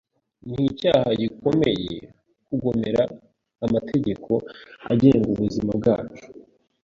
Ni icyaha gikomeye kugomera amategeko agenga ubuzima bwacu